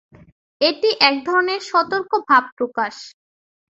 এটি এক ধরনের সতর্ক ভাব প্রকাশ।